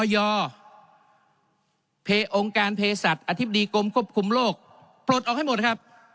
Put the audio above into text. องค์การเพศัตว์อธิบดีกรมควบคุมโรคปลดออกให้หมดครับ